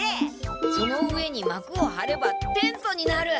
その上にまくを張ればテントになる！